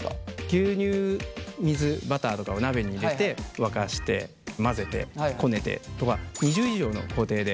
牛乳水バターとかを鍋に入れて沸かして混ぜてこねてとか２０以上の工程で。